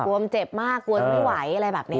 กลัวมเจ็บมากกลัวไม่ไหวอะไรแบบนี้